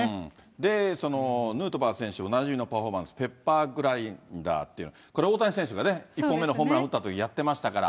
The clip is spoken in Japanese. で、そのヌートバー選手おなじみのパフォーマンス、ペッパーグラインダーというこれ、大谷選手が１本目のホームラン打ったときやってましたから。